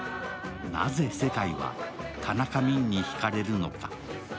なぜ世界は田中泯にひかれるのか。